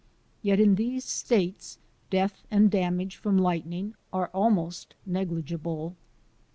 Yet in these states death and damage from lightning are almost negligible.